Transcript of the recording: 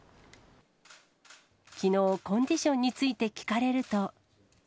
きのう、コンディションについて聞かれると。